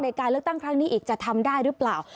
ในการเลือกตั้งครั้งนี้อีกจะทำได้หรือเปล่า